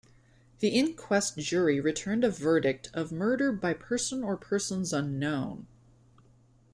The inquest jury returned a verdict of murder by person or persons unknown.